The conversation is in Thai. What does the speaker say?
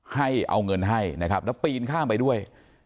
ให้เอาเงินให้นะครับแล้วปีนข้ามไปด้วย